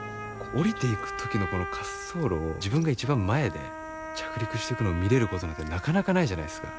降りていく時のこの滑走路を自分が一番前で着陸してくのを見れることなんてなかなかないじゃないですか。